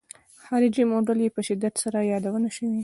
خارجي موډل یې په شدت سره یادونه شوې.